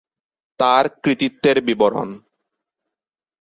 তার কৃতিত্বের বিবরণ